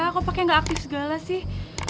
kok pakai nggak aktif segala sih